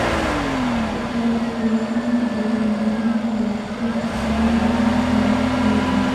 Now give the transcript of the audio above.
په سرک جوړونه کې د لاندنۍ طبقې خاوره باید مقاومت ولري